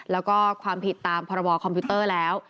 แล้วก็ความผิดตามพรบคอมพิวเตอร์แล้ว